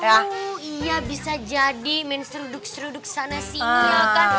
oh iya bisa jadi main seruduk seruduk sana sini ya kan